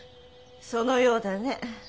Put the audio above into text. そのようだね。